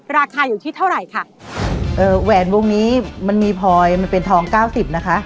ราคาอยู่ที่เท่าไหร่ค่ะเอ่อแหวนวงนี้มันมีพลอยมันเป็นทองเก้าสิบนะคะ